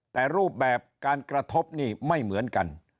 แต่รูปแบบการกระทบนี่ไม่เหมือนกัน